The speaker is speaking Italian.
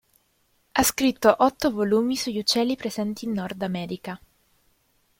Ha scritto otto volumi sugli uccelli presenti in Nord America.